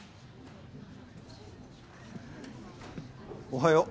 おはよう。